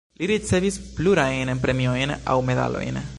Li ricevis plurajn premiojn aŭ medalojn.